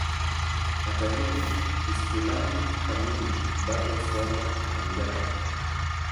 Hata hivyo, istilahi kamili bado suala la mjadala.